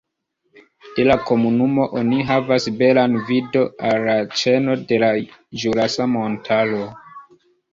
De la komunumo oni havas belan vidon al la ĉeno de la Ĵurasa Montaro.